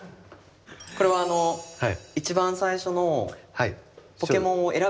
これはあの一番最初のポケモンを選ぶ。